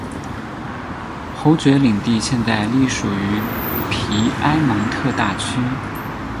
侯爵领地现在隶属于皮埃蒙特大区。